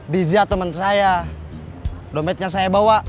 diza teman saya dompetnya saya bawa